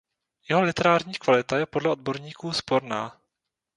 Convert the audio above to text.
Jeho literární kvalita je podle odborníků sporná.